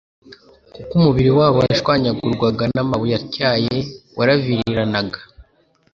Kuko umubiri wabo washwanyagurwaga n'amabuye atyaye waraviriranaga.